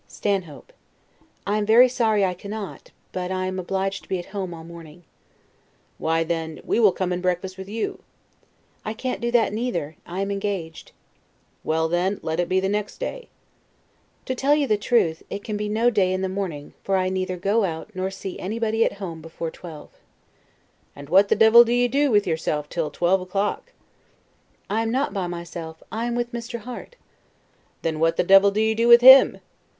Stanhope. I am very sorry I cannot; but I am obliged to be at home all morning. Englishman. Why, then, we will come and breakfast with you. Stanhope. I can't do that neither; I am engaged. Englishman. Well, then, let it be the next day. Stanhope. To tell you the truth, it can be no day in the morning; for I neither go out, nor see anybody at home before twelve. Englishman. And what the devil do you do with yourself till twelve o'clock? Stanhope. I am not by myself; I am with Mr. Harte. Englishman. Then what the devil do you do with him?